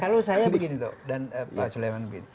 kalau saya begini pak suleman